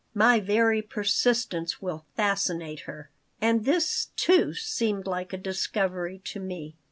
My very persistence will fascinate her." And this, too, seemed like a discovery to me.